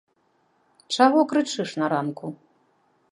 Чаго крычыш на ранку?